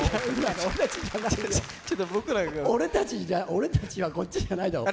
俺たちはこっちじゃないだろう。